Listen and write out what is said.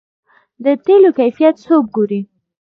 د تیلو کیفیت څوک ګوري؟